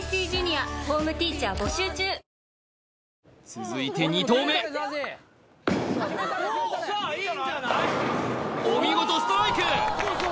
続いて２投目お見事ストライク